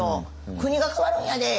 「国が変わるんやで！